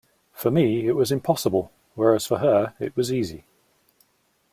For me it was impossible, whereas for her it was easy.